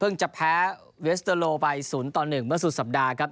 จะแพ้เวสเตอร์โลไป๐ต่อ๑เมื่อสุดสัปดาห์ครับ